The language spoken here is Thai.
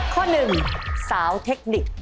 ข้อ๑สาวเทคนิค